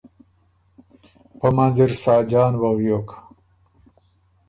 پۀ منځ اِر ساجان وغیوک۔